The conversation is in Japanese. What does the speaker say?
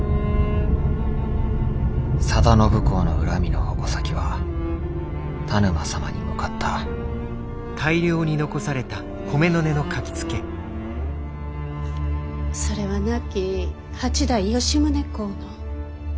定信公の恨みの矛先は田沼様に向かったそれは亡き八代吉宗公の。